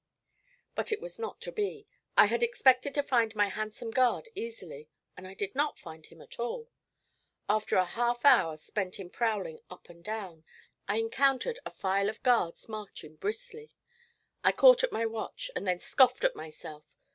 But it was not to be. I had expected to find my handsome guard easily, and I did not find him at all. After a half hour spent in prowling up and down, I encountered a file of guards marching briskly. I caught at my watch, and then scoffed at myself.